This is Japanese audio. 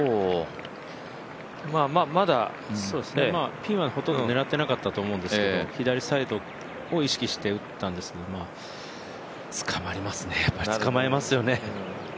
ピンはほとんど狙ってなかったと思うんですけど、左サイドを意識して打ったんですけど、つかまりますね、やっぱりつかまえますよね。